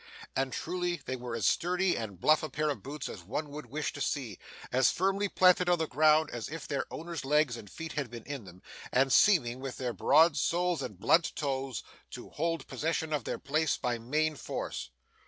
And truly, they were as sturdy and bluff a pair of boots as one would wish to see; as firmly planted on the ground as if their owner's legs and feet had been in them; and seeming, with their broad soles and blunt toes, to hold possession of their place by main force.